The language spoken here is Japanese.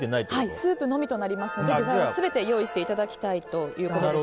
スープのみとなりますので具材は全て用意していただきたいということです。